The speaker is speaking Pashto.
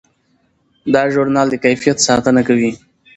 دا ژورنال د کیفیت ساتنه کوي.